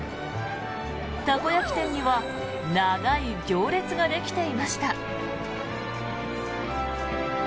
たこ焼き店には長い行列ができていました。